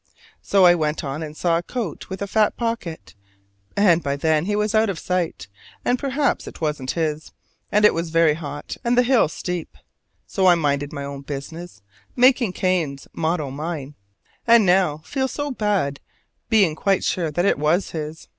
So I went on and saw a coat with a fat pocket: and by then he was out of sight, and perhaps it wasn't his; and it was very hot and the hill steep. So I minded my own business, making Cain's motto mine; and now feel so had, being quite sure that it was his.